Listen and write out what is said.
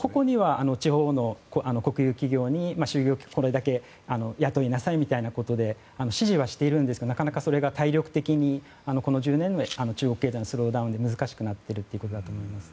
地方の国有企業にこれだけ雇いなさいみたいなことで指示はしてるんですがなかなか、体力的にこの１０年の中国経済のスローダウンで難しくなってきているということだと思います。